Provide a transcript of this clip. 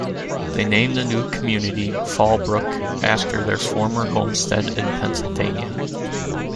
They named the new community Fall Brook after their former homestead in Pennsylvania.